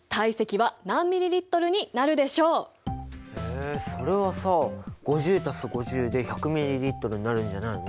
えそれはさ５０＋５０で１００ｍＬになるんじゃないの？